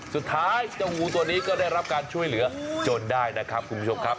เจ้างูตัวนี้ก็ได้รับการช่วยเหลือจนได้นะครับคุณผู้ชมครับ